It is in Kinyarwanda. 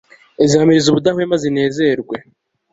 zihamirize ubudahwema zinezerewe